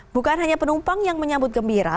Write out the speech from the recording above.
bukan hanya penumpang yang menyambut gembira